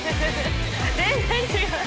全然違う。